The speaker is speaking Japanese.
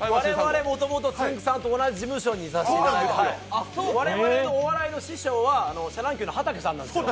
我々、もともとつんく♂さんと同じ事務所にいさせていただいて、我々のお笑いの師匠はシャ乱Ｑのはたけさんなんですよ。